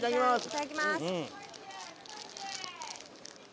いただきます。